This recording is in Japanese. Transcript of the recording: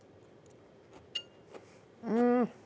うん！